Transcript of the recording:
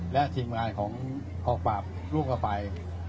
และทีมงานของกองปราบลูกเข้าไป